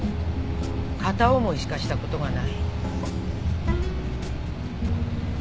片思いしかしたことがない。